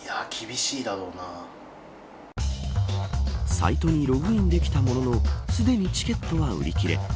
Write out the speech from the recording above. サイトにログインできたもののすでにチケットは売り切れ。